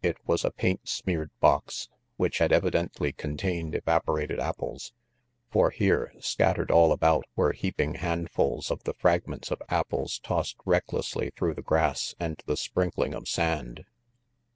It was a paint smeared box, which had evidently contained evaporated apples, for here, scattered all about, were heaping handf uls of the fragments of apples tossed recklessly RANGY PETE 549 through the grass and the sprinkling of sand.